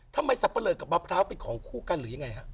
สับปะเลอกับมะพร้าวเป็นของคู่กันหรือยังไงฮะ